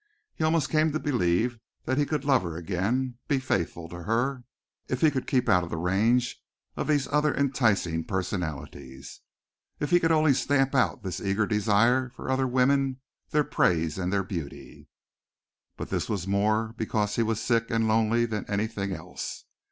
He almost came to believe that he could love her again, be faithful to her, if he could keep out of the range of these other enticing personalities. If only he could stamp out this eager desire for other women, their praise and their beauty! But this was more because he was sick and lonely than anything else.